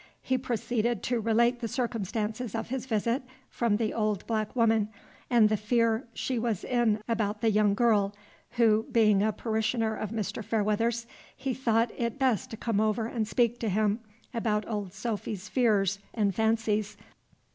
He proceeded to relate the circumstances of his visit from the old black woman, and the fear she was in about the young girl, who being a parishioner of Mr. Fairweather's, he had thought it best to come over and speak to him about old Sophy's fears and fancies.